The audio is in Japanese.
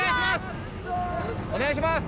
お願いします